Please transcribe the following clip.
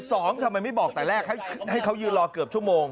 ทำไมไม่บอกแต่แรกให้เขายืนรอเกือบชั่วโมง